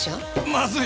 まずい！